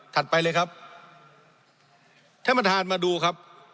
ไปเลยครับท่านประธานมาดูครับ